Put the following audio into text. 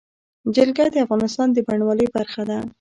جلګه د افغانستان د بڼوالۍ برخه ده.